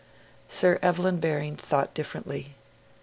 Sir Evelyn Baring thought differently.